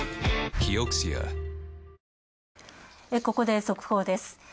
ここで速報です。